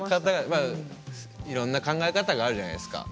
いろんな考え方があるじゃないですか。